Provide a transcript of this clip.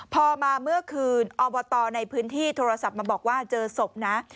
พอมาเมื่อคืนอบตในพื้นที่โทรศัพท์มาบอกว่าเจอศพนะ